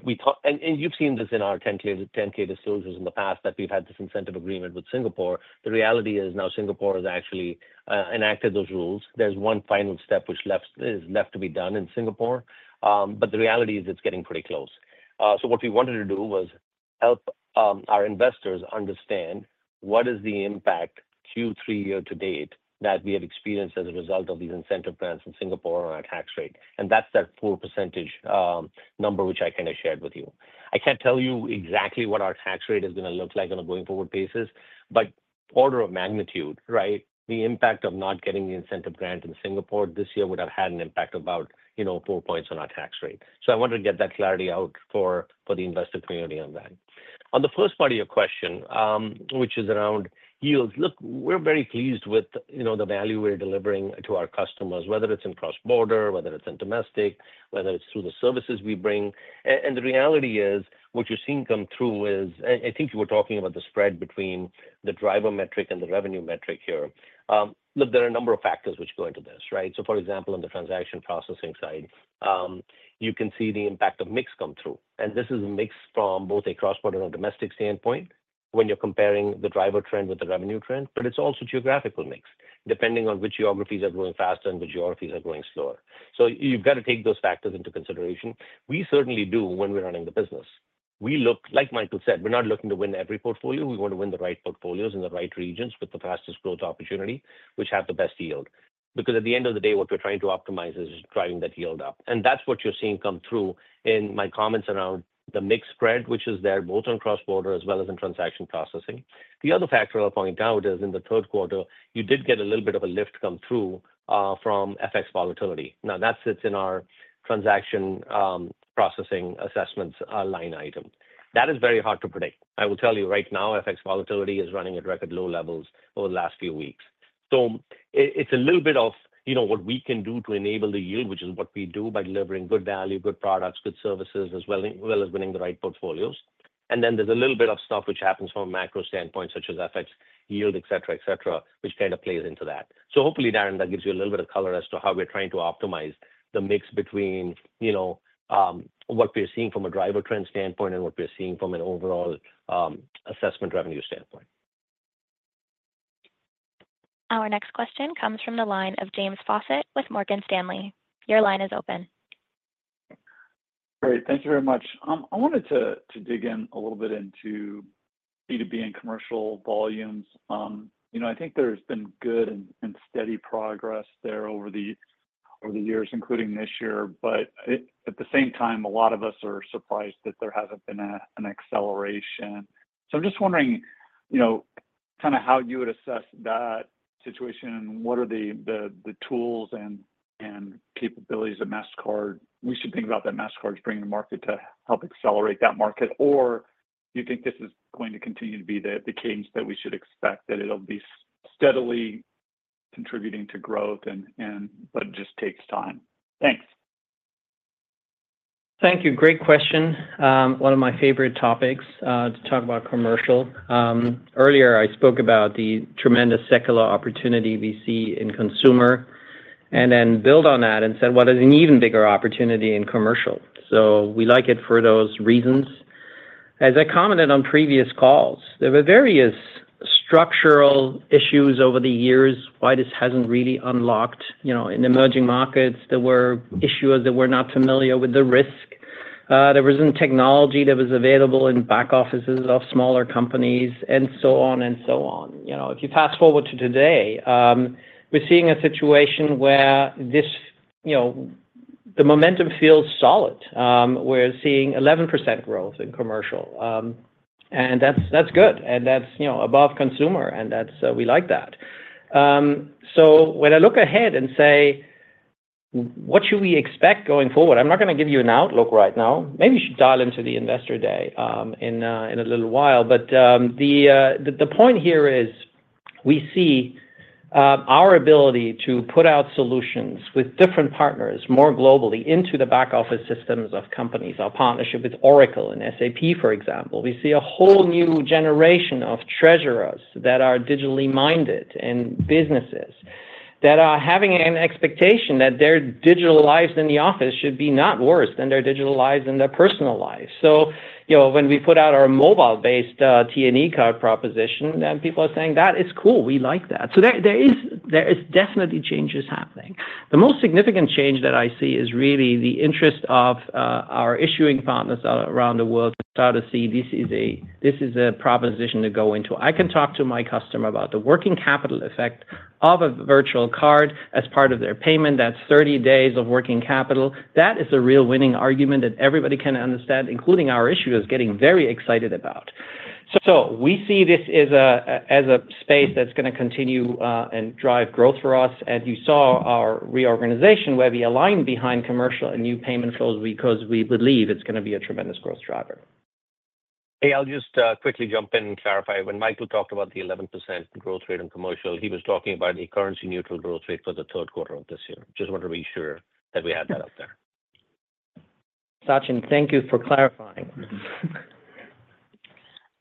Speaker 4: we thought, and you've seen this in our 10-K disclosures in the past that we've had this incentive agreement with Singapore. The reality is now Singapore has actually enacted those rules. There's one final step which is left to be done in Singapore. But the reality is it's getting pretty close. So what we wanted to do was help our investors understand what is the impact Q3 year to date that we have experienced as a result of these incentive plans in Singapore on our tax rate. And that's that 4% number which I kind of shared with you. I can't tell you exactly what our tax rate is going to look like on a going forward basis, but order of magnitude, right, the impact of not getting the incentive grant in Singapore this year would have had an impact of about four points on our tax rate. So I wanted to get that clarity out for the investor community on that. On the first part of your question, which is around yields, look, we're very pleased with the value we're delivering to our customers, whether it's in cross-border, whether it's in domestic, whether it's through the services we bring. And the reality is what you're seeing come through is, and I think you were talking about the spread between the driver metric and the revenue metric here. Look, there are a number of factors which go into this, right? For example, on the transaction processing side, you can see the impact of mix come through. This is mix from both a cross-border and a domestic standpoint when you're comparing the driver trend with the revenue trend, but it's also geographical mix, depending on which geographies are growing faster and which geographies are growing slower. You've got to take those factors into consideration. We certainly do when we're running the business. We look, like Michael said, we're not looking to win every portfolio. We want to win the right portfolios in the right regions with the fastest growth opportunity, which have the best yield. Because at the end of the day, what we're trying to optimize is driving that yield up. That's what you're seeing come through in my comments around the mix spread, which is there both on cross-border as well as in transaction processing. The other factor I'll point out is in the third quarter, you did get a little bit of a lift come through from FX volatility. Now, that sits in our transaction processing assessments line item. That is very hard to predict. I will tell you right now, FX volatility is running at record low levels over the last few weeks. So it's a little bit of what we can do to enable the yield, which is what we do by delivering good value, good products, good services, as well as winning the right portfolios. And then there's a little bit of stuff which happens from a macro standpoint, such as FX yield, etc., etc., which kind of plays into that. So hopefully, Darrin, that gives you a little bit of color as to how we're trying to optimize the mix between what we're seeing from a driver trend standpoint and what we're seeing from an overall assessment revenue standpoint.
Speaker 1: Our next question comes from the line of James Faucette with Morgan Stanley. Your line is open.
Speaker 12: Great. Thank you very much. I wanted to dig in a little bit into B2B and commercial volumes. I think there's been good and steady progress there over the years, including this year. But at the same time, a lot of us are surprised that there hasn't been an acceleration. So I'm just wondering kind of how you would assess that situation and what are the tools and capabilities that Mastercard we should think about that Mastercard's bringing to market to help accelerate that market, or do you think this is going to continue to be the cadence that we should expect, that it'll be steadily contributing to growth, but it just takes time? Thanks.
Speaker 3: Thank you. Great question. One of my favorite topics to talk about commercial. Earlier, I spoke about the tremendous secular opportunity we see in consumer and then built on that and said, "Well, there's an even bigger opportunity in commercial." So we like it for those reasons. As I commented on previous calls, there were various structural issues over the years. Why this hasn't really unlocked in emerging markets? There were issues that we're not familiar with the risk. There wasn't technology that was available in back offices of smaller companies, and so on and so on. If you fast forward to today, we're seeing a situation where the momentum feels solid. We're seeing 11% growth in commercial. And that's good. And that's above consumer. And we like that. So when I look ahead and say, "What should we expect going forward?" I'm not going to give you an outlook right now. Maybe you should dial into the Investor Day in a little while. But the point here is we see our ability to put out solutions with different partners more globally into the back office systems of companies, our partnership with Oracle and SAP, for example. We see a whole new generation of treasurers that are digitally minded and businesses that are having an expectation that their digital lives in the office should be not worse than their digital lives in their personal lives. So when we put out our mobile-based T&E card proposition, then people are saying, "That is cool. We like that." So there are definitely changes happening. The most significant change that I see is really the interest of our issuing partners around the world to start to see this is a proposition to go into. I can talk to my customer about the working capital effect of a virtual card as part of their payment. That's 30 days of working capital. That is a real winning argument that everybody can understand, including our issuers getting very excited about. So we see this as a space that's going to continue and drive growth for us. And you saw our reorganization where we aligned behind commercial and new payment flows because we believe it's going to be a tremendous growth driver.
Speaker 4: Hey, I'll just quickly jump in and clarify. When Michael talked about the 11% growth rate in commercial, he was talking about a currency-neutral growth rate for the third quarter of this year. Just wanted to be sure that we had that up there.
Speaker 3: Sachin, thank you for clarifying.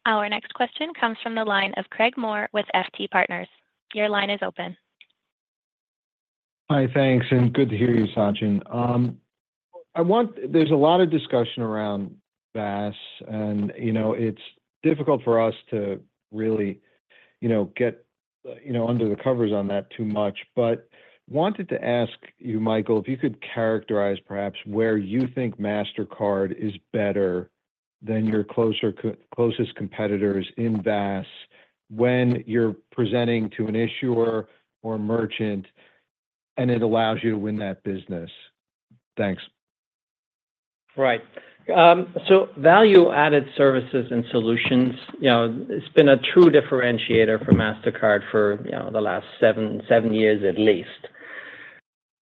Speaker 1: Our next question comes from the line of Craig Maurer with FT Partners. Your line is open.
Speaker 13: Hi, thanks. And good to hear you, Sachin. There's a lot of discussion around VAS, and it's difficult for us to really get under the covers on that too much. But wanted to ask you, Michael, if you could characterize perhaps where you think Mastercard is better than your closest competitors in VAS when you're presenting to an issuer or a merchant and it allows you to win that business? Thanks.
Speaker 3: Right. So value-added services and solutions, it's been a true differentiator for Mastercard for the last seven years at least.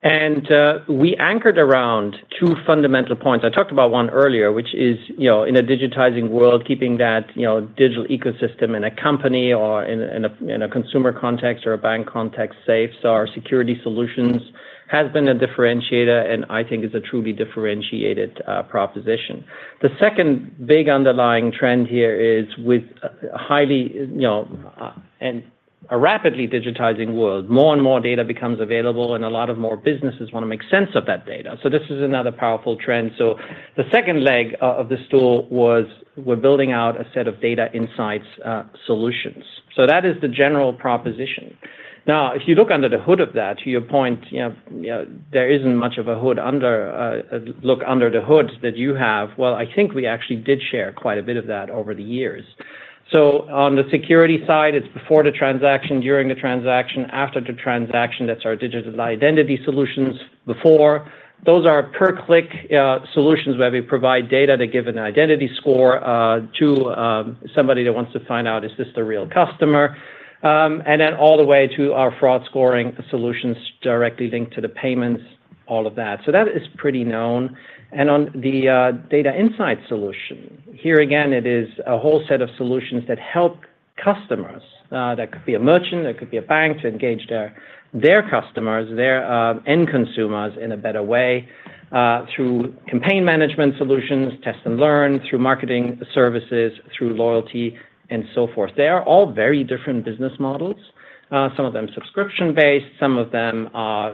Speaker 3: And we anchored around two fundamental points. I talked about one earlier, which is in a digitizing world, keeping that digital ecosystem in a company or in a consumer context or a bank context safe. So our security solutions have been a differentiator, and I think it's a truly differentiated proposition. The second big underlying trend here is with a highly and a rapidly digitizing world, more and more data becomes available, and a lot of more businesses want to make sense of that data. This is another powerful trend. The second leg of the stool was we're building out a set of data insights solutions. That is the general proposition. Now, if you look under the hood of that, to your point, there isn't much of a hood. Look under the hood that you have. I think we actually did share quite a bit of that over the years. On the security side, it's before the transaction, during the transaction, after the transaction. That's our digital identity solutions. Before, those are per-click solutions where we provide data to give an identity score to somebody that wants to find out, "Is this the real customer?" Then all the way to our fraud scoring solutions directly linked to the payments, all of that. That is pretty known. On the data insight solution, here again, it is a whole set of solutions that help customers. That could be a merchant. It could be a bank to engage their customers, their end consumers in a better way through campaign management solutions, Test & Learn, through marketing services, through loyalty, and so forth. They are all very different business models. Some of them subscription-based. Some of them are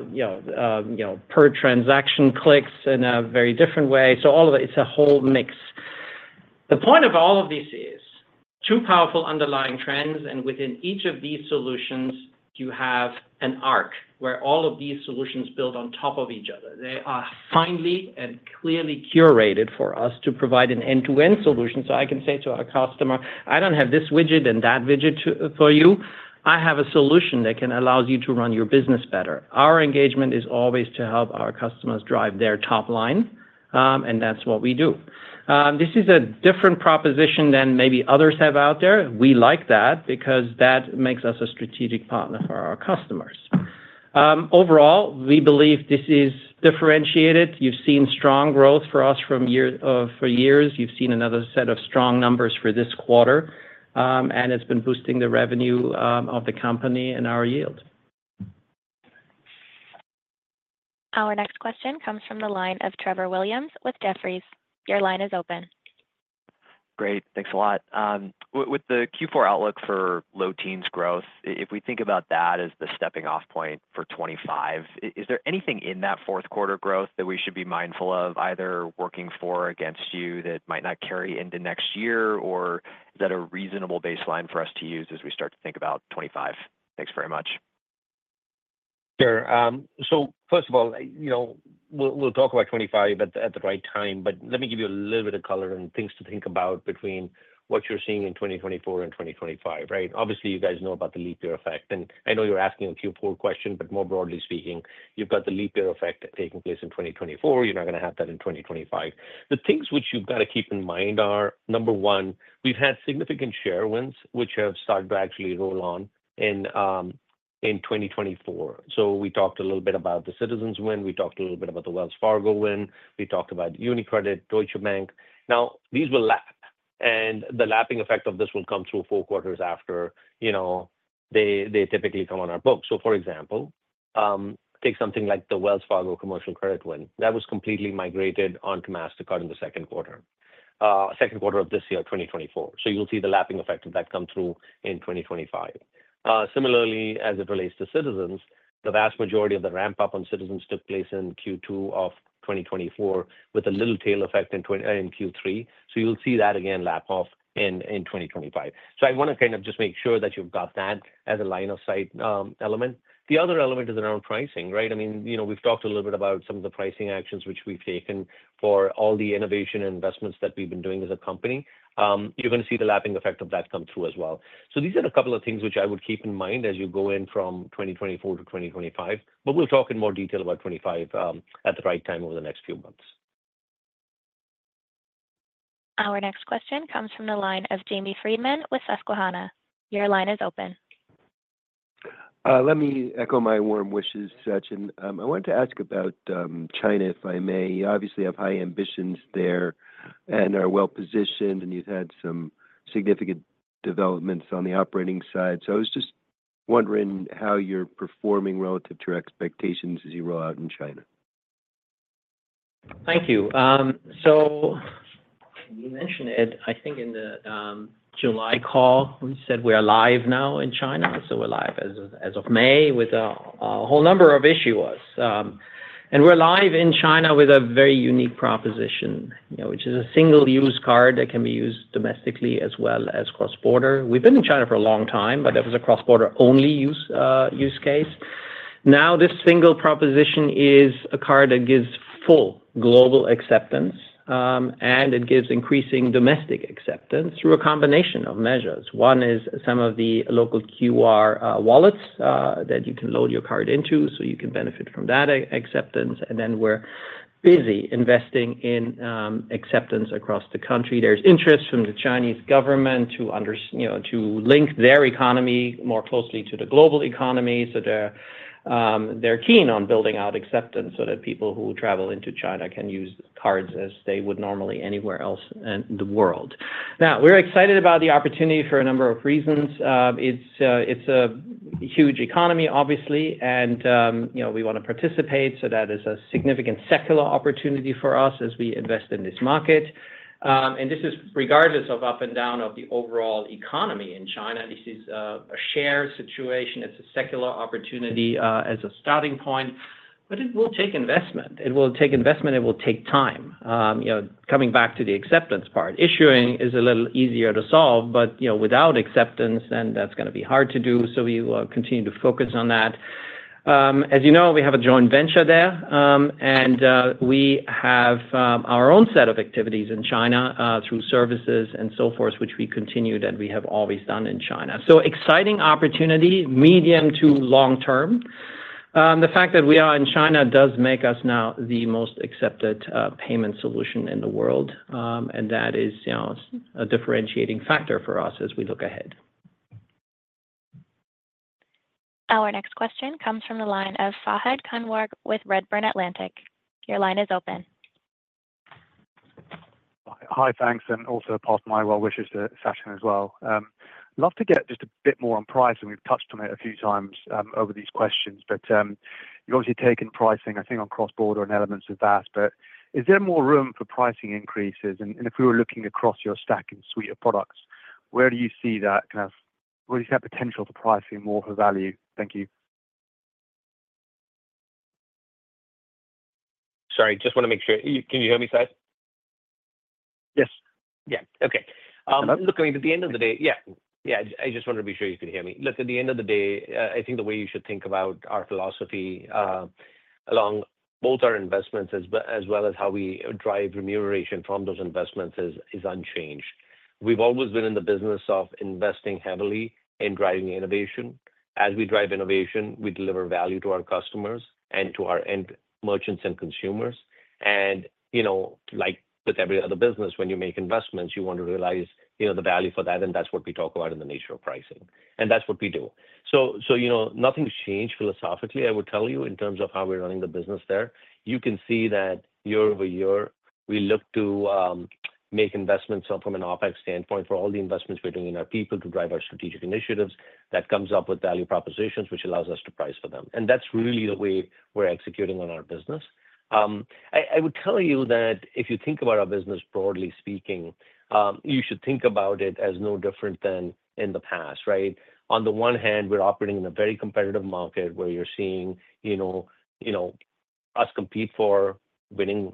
Speaker 3: per transaction clicks in a very different way. So all of it's a whole mix. The point of all of this is two powerful underlying trends. And within each of these solutions, you have an arc where all of these solutions build on top of each other. They are finely and clearly curated for us to provide an end-to-end solution. So I can say to our customer, "I don't have this widget and that widget for you. I have a solution that can allow you to run your business better." Our engagement is always to help our customers drive their top line. And that's what we do. This is a different proposition than maybe others have out there. We like that because that makes us a strategic partner for our customers. Overall, we believe this is differentiated. You've seen strong growth for us for years. You've seen another set of strong numbers for this quarter. And it's been boosting the revenue of the company and our yield.
Speaker 1: Our next question comes from the line of Trevor Williams with Jefferies. Your line is open.
Speaker 14: Great. Thanks a lot. With the Q4 outlook for low teens growth, if we think about that as the stepping-off point for 2025, is there anything in that fourth quarter growth that we should be mindful of, either working for or against you, that might not carry into next year, or is that a reasonable baseline for us to use as we start to think about 2025? Thanks very much.
Speaker 4: Sure. So first of all, we'll talk about 2025 at the right time. But let me give you a little bit of color and things to think about between what you're seeing in 2024 and 2025, right? Obviously, you guys know about the leap year effect. And I know you're asking a Q4 question, but more broadly speaking, you've got the leap year effect taking place in 2024. You're not going to have that in 2025. The things which you've got to keep in mind are, number one, we've had significant share wins which have started to actually roll on in 2024. So we talked a little bit about the Citizens win. We talked a little bit about the Wells Fargo win. We talked about UniCredit, Deutsche Bank. Now, these will lap. And the lapping effect of this will come through four quarters after they typically come on our books. So for example, take something like the Wells Fargo commercial credit win. That was completely migrated onto Mastercard in the second quarter, second quarter of this year, 2024. So you'll see the lapping effect of that come through in 2025. Similarly, as it relates to Citizens, the vast majority of the ramp-up on Citizens took place in Q2 of 2024 with a little tail effect in Q3. So you'll see that again lap off in 2025. So I want to kind of just make sure that you've got that as a line of sight element. The other element is around pricing, right? I mean, we've talked a little bit about some of the pricing actions which we've taken for all the innovation and investments that we've been doing as a company. You're going to see the lapping effect of that come through as well. So these are a couple of things which I would keep in mind as you go in from 2024 to 2025. But we'll talk in more detail about 2025 at the right time over the next few months.
Speaker 1: Our next question comes from the line of Jamie Friedman with Susquehanna. Your line is open.
Speaker 15: Let me echo my warm wishes, Sachin. I wanted to ask about China, if I may. You obviously have high ambitions there and are well-positioned, and you've had some significant developments on the operating side. So I was just wondering how you're performing relative to your expectations as you roll out in China?
Speaker 3: Thank you. So you mentioned it. I think in the July call, we said we're live now in China. So we're live as of May with a whole number of issuers. And we're live in China with a very unique proposition, which is a single-use card that can be used domestically as well as cross-border. We've been in China for a long time, but that was a cross-border-only use case. Now, this single proposition is a card that gives full global acceptance, and it gives increasing domestic acceptance through a combination of measures. One is some of the local QR wallets that you can load your card into so you can benefit from that acceptance. And then we're busy investing in acceptance across the country. There's interest from the Chinese government to link their economy more closely to the global economy. So they're keen on building out acceptance so that people who travel into China can use cards as they would normally anywhere else in the world. Now, we're excited about the opportunity for a number of reasons. It's a huge economy, obviously, and we want to participate. So that is a significant secular opportunity for us as we invest in this market. And this is regardless of up and down of the overall economy in China. This is a shared situation. It's a secular opportunity as a starting point, but it will take investment. It will take investment. It will take time. Coming back to the acceptance part, issuing is a little easier to solve, but without acceptance, then that's going to be hard to do. So we will continue to focus on that. As you know, we have a joint venture there, and we have our own set of activities in China through services and so forth, which we continued and we have always done in China. So exciting opportunity, medium to long term. The fact that we are in China does make us now the most accepted payment solution in the world, and that is a differentiating factor for us as we look ahead.
Speaker 1: Our next question comes from the line of Fahed Kunwar with Redburn Atlantic. Your line is open.
Speaker 16: Hi, thanks. And also pass my well-wishes to Sachin as well. I'd love to get just a bit more on pricing. We've touched on it a few times over these questions, but you've obviously taken pricing, I think, on cross-border and elements of that. But is there more room for pricing increases? And if we were looking across your stack and suite of products, where do you see that kind of potential for pricing more for value? Thank you.
Speaker 4: Sorry, just want to make sure. Can you hear me fine?
Speaker 16: Yes.
Speaker 4: Yeah. Okay. Look, I mean, at the end of the day, yeah. I just wanted to be sure you could hear me. Look, at the end of the day, I think the way you should think about our philosophy along both our investments as well as how we drive remuneration from those investments is unchanged. We've always been in the business of investing heavily in driving innovation. As we drive innovation, we deliver value to our customers and to our end merchants and consumers. And like with every other business, when you make investments, you want to realize the value for that, and that's what we talk about in the nature of pricing. And that's what we do. So nothing's changed philosophically, I would tell you, in terms of how we're running the business there. You can see that year-over-year, we look to make investments from an OPEX standpoint for all the investments we're doing in our people to drive our strategic initiatives. That comes up with value propositions, which allows us to price for them. And that's really the way we're executing on our business. I would tell you that if you think about our business broadly speaking, you should think about it as no different than in the past, right? On the one hand, we're operating in a very competitive market where you're seeing us compete for winning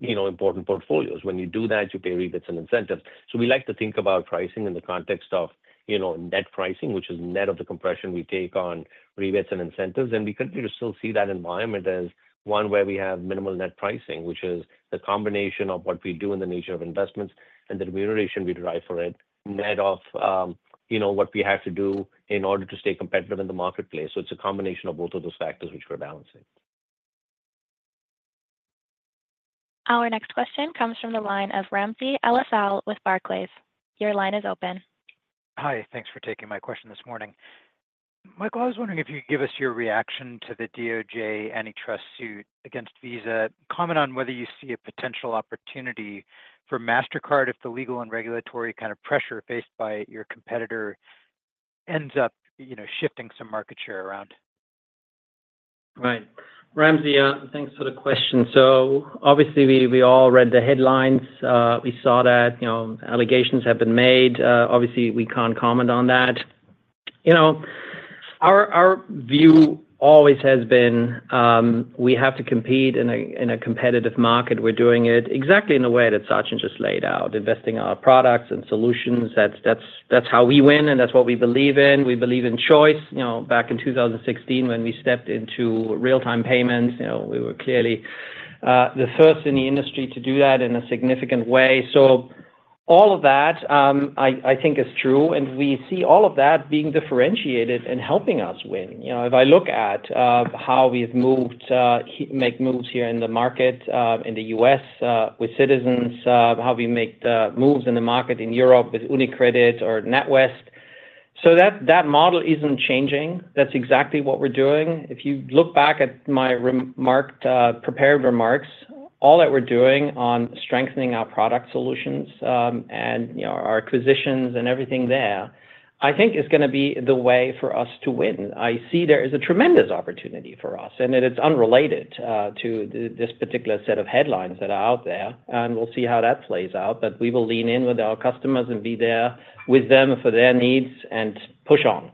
Speaker 4: important portfolios. When you do that, you pay rebates and incentives. So we like to think about pricing in the context of net pricing, which is net of the compression we take on rebates and incentives, and we continue to still see that environment as one where we have minimal net pricing, which is the combination of what we do in the nature of investments and the remuneration we derive for it, net of what we have to do in order to stay competitive in the marketplace, so it's a combination of both of those factors which we're balancing.
Speaker 1: Our next question comes from the line of Ramsey El-Assal with Barclays. Your line is open.
Speaker 17: Hi. Thanks for taking my question this morning. Michael, I was wondering if you could give us your reaction to the DOJ antitrust suit against Visa, comment on whether you see a potential opportunity for Mastercard if the legal and regulatory kind of pressure faced by your competitor ends up shifting some market share around?
Speaker 3: Right. Ramsey, thanks for the question. So obviously, we all read the headlines. We saw that allegations have been made. Obviously, we can't comment on that. Our view always has been we have to compete in a competitive market. We're doing it exactly in the way that Sachin just laid out, investing in our products and solutions. That's how we win, and that's what we believe in. We believe in choice. Back in 2016, when we stepped into real-time payments, we were clearly the first in the industry to do that in a significant way. So all of that, I think, is true. And we see all of that being differentiated and helping us win. If I look at how we've moved to make moves here in the market in the U.S. with Citizens, how we make moves in the market in Europe with UniCredit or NatWest. So that model isn't changing. That's exactly what we're doing. If you look back at my prepared remarks, all that we're doing on strengthening our product solutions and our acquisitions and everything there, I think, is going to be the way for us to win. I see there is a tremendous opportunity for us, and it's unrelated to this particular set of headlines that are out there. And we'll see how that plays out, but we will lean in with our customers and be there with them for their needs and push on.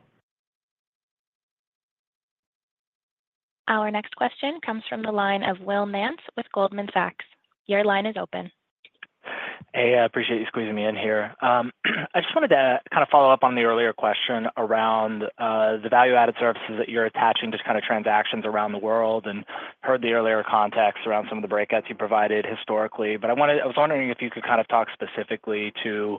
Speaker 1: Our next question comes from the line of Will Nance with Goldman Sachs. Your line is open.
Speaker 18: Hey, I appreciate you squeezing me in here. I just wanted to kind of follow up on the earlier question around the value-added services that you're attaching to kind of transactions around the world and heard the earlier context around some of the breakouts you provided historically. But I was wondering if you could kind of talk specifically to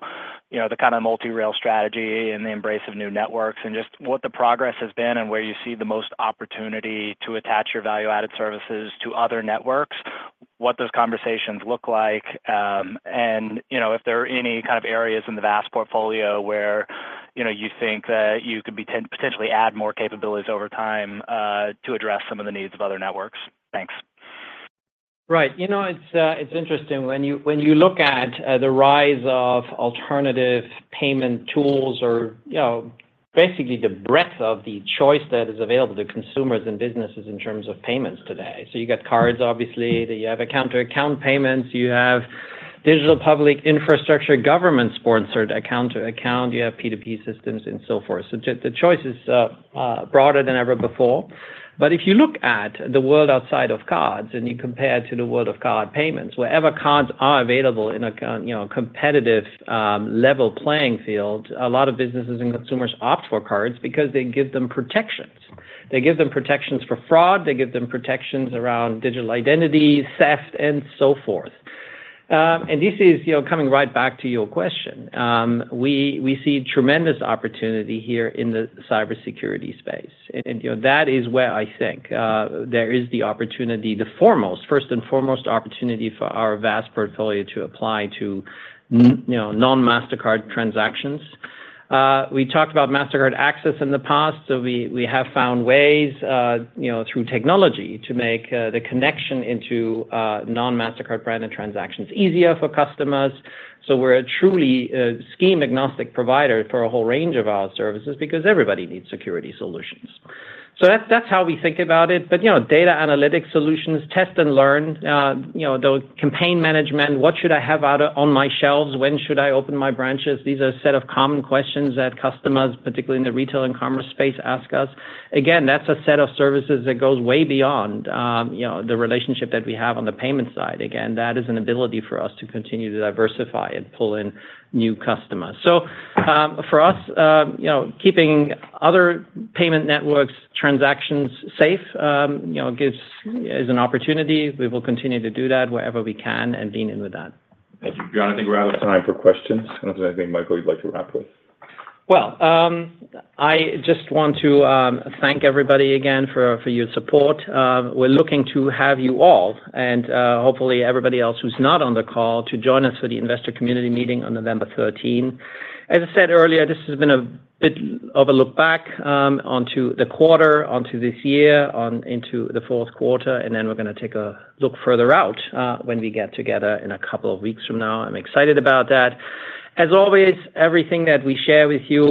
Speaker 18: the kind of multi-rail strategy and the embrace of new networks and just what the progress has been and where you see the most opportunity to attach your value-added services to other networks, what those conversations look like, and if there are any kind of areas in the VAS portfolio where you think that you could potentially add more capabilities over time to address some of the needs of other networks. Thanks.
Speaker 3: Right. It's interesting when you look at the rise of alternative payment tools or basically the breadth of the choice that is available to consumers and businesses in terms of payments today. So you got cards, obviously. You have account-to-account payments. You have digital public infrastructure government-sponsored account-to-account. You have P2P systems and so forth. So the choice is broader than ever before. But if you look at the world outside of cards and you compare it to the world of card payments, wherever cards are available in a competitive level playing field, a lot of businesses and consumers opt for cards because they give them protections. They give them protections for fraud. They give them protections around digital identity, theft, and so forth. And this is coming right back to your question. We see tremendous opportunity here in the cybersecurity space. That is where, I think, there is the opportunity, the foremost, first and foremost opportunity for our VAS portfolio to apply to non-Mastercard transactions. We talked about Mastercard Access in the past. So we have found ways through technology to make the connection into non-Mastercard branded transactions easier for customers. So we're a truly scheme-agnostic provider for a whole range of our services because everybody needs security solutions. So that's how we think about it. But data analytic solutions, test and learn, the campaign management, what should I have out on my shelves? When should I open my branches? These are a set of common questions that customers, particularly in the retail and commerce space, ask us. Again, that's a set of services that goes way beyond the relationship that we have on the payment side. Again, that is an ability for us to continue to diversify and pull in new customers. So for us, keeping other payment networks' transactions safe is an opportunity. We will continue to do that wherever we can and lean in with that.
Speaker 2: Thank you. you know, I think we're out of time for questions. Unless there's anything, Michael, you'd like to wrap with?
Speaker 3: Well, I just want to thank everybody again for your support. We're looking to have you all and hopefully everybody else who's not on the call to join us for the Investor Community Meeting on November 13. As I said earlier, this has been a bit of a look back onto the quarter, onto this year, onto the fourth quarter, and then we're going to take a look further out when we get together in a couple of weeks from now. I'm excited about that. As always, everything that we share with you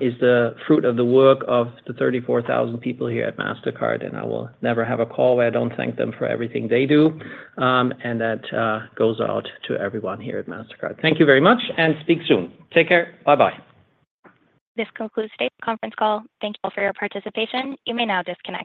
Speaker 3: is the fruit of the work of the 34,000 people here at Mastercard, and I will never have a call where I don't thank them for everything they do. And that goes out to everyone here at Mastercard. Thank you very much and speak soon. Take care. Bye-bye.
Speaker 1: This concludes today's conference call. Thank you all for your participation. You may now disconnect.